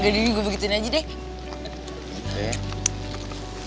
gak digugur begituin aja deh